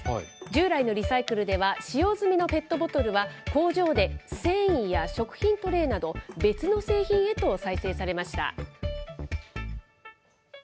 従来のリサイクルでは、使用済みのペットボトルは、工場で繊維や食品トレーなど、別の製品へと再生されました。